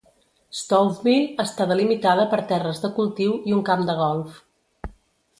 Stouffville està delimitada per terres de cultiu i un camp de golf.